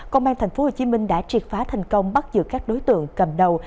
công an tp hcm đã triệt phá thành công bắt giữ các đối tượng cầm đầu